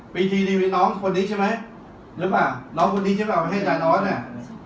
พี่ทีทีพี่น้องคนนี้ใช่ไหมหรือเปล่าน้องคนนี้ใช่ไหมเอาไว้ให้จ่ายน้อยเนี่ย